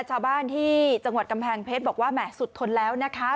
ชาวบ้านที่จังหวัดกำแพงเพชรบอกว่าแหม่สุดทนแล้วนะคะ